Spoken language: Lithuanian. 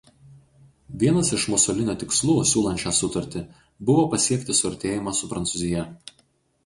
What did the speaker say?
Vienas iš Musolinio tikslų siūlant šią sutartį buvo pasiekti suartėjimą su Prancūzija.